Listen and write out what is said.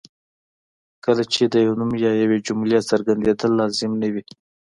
کله چې د یو نوم یا یوې جملې څرګندېدل لازم نه وي.